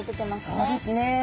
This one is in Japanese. そうですね。